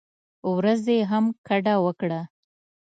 ورځې هم ګډه وکړه.